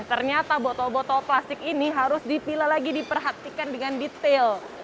ternyata botol botol plastik ini harus dipilah lagi diperhatikan dengan detail